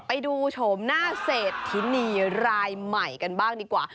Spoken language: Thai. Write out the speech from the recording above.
ไปดูโฉมหน้าเศรษฐินีรายใหม่กันบ้างดีกว่า